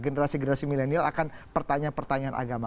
generasi generasi milenial akan pertanyaan pertanyaan agama